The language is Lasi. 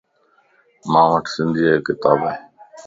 مان وٽ سنڌيءَ جو ڪتاب ائي.